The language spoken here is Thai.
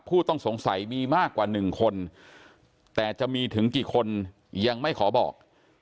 ผู้ต้องสงสัยมีมากกว่า๑คนแต่จะมีถึงกี่คนยังไม่ขอบอก